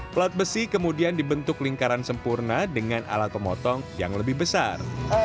pelat besi kemudian dibentuk lingkaran sempurna dengan alat pemotong yang lebih besar